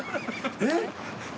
えっ？